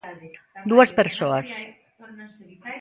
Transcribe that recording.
Dúas persoas.